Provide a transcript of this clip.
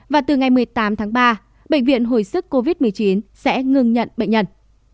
và từ ngày một mươi tám tháng ba bệnh viện hồi sức covid một mươi chín sẽ ngừng nhận bệnh nhân